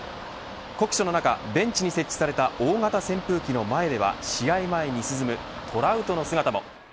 酷暑の中、ベンチに設置された大型扇風機の前では試合前に涼むトラウトの姿も。